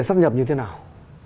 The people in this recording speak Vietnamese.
sát nhập như thế nào